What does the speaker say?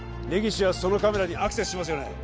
根岸はそのカメラにアクセスしますよね